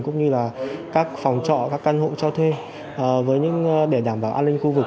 cũng như là các phòng trọ các căn hộ cho thuê để đảm bảo an ninh khu vực